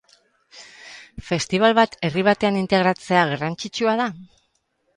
Festibal bat herri batean integratzea garrantzitsua da?